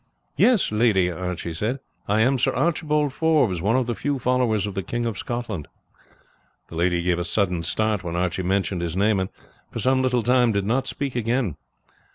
"Yes, lady," Archie said, "I am Sir Archibald Forbes, one of the few followers of the King of Scotland." The lady gave a sudden start when Archie mentioned his name, and for some little time did not speak again.